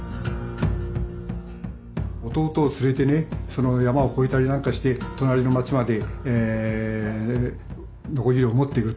弟を連れてね山を越えたりなんかして隣の町までノコギリを持っていくと。